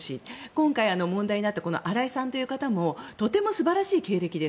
今回、話題になった荒井さんもとても素晴らしい経歴です。